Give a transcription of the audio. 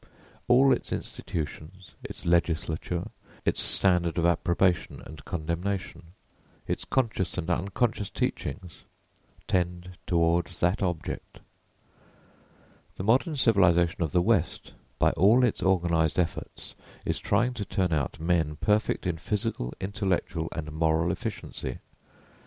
All its institutions, its legislature, its standard of approbation and condemnation, its conscious and unconscious teachings tend toward that object. The modern civilisation of the west, by all its organised efforts, is trying to turn out men perfect in physical, intellectual, and moral efficiency.